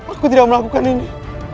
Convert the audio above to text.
aku tidak melakukan ini